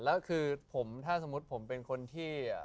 แล้วคือผมถ้าสมมุติผมเป็นคนที่